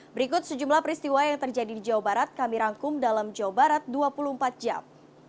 berikut sejumlah peristiwa yang terjadi di jawa barat kami rangkum dalam jawa barat dua puluh empat jam